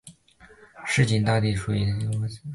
市境大地构造属扬子准地台上扬子台褶带。